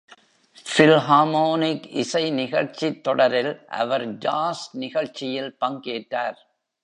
Philharmonic இசை நிகழ்ச்சித் தொடரில் அவர் ஜாஸ் நிகழ்ச்சியில் பங்கேற்றார்.